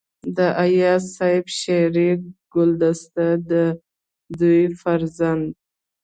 د اياز صيب شعري ګلدسته دَ دوي فرزند